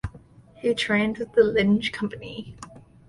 He trained with the Linge Company.